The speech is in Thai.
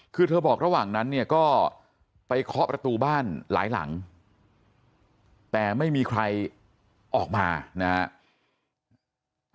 คือเธอบอกระหว่างนั้นเนี่ยก็ไปเคาะประตูบ้านหลายหลังแต่ไม่มีใครออกมานะครับ